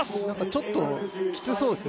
ちょっときつそうですね